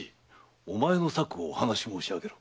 お前の策をお話申しあげろ。